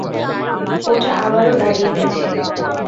ওটা আবারো দাঁড়িয়ে গেছে।